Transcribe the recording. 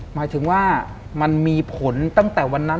หมายถึงว่ามันมีผลตั้งแต่วันนั้น